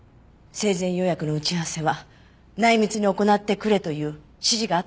生前予約の打ち合わせは内密に行ってくれという指示があったのです。